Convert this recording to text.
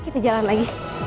nih kita jalan lagi